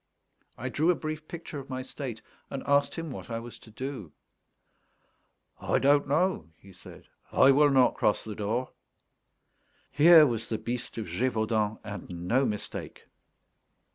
I drew a brief picture of my state, and asked him what I was to do. "I don't know," he said; "I will not cross the door." Here was the Beast of Gévaudan, and no mistake.